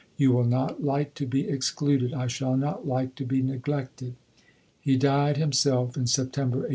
You will not like to be excluded; I shall not like to be neglected." He died himself in September, 1841.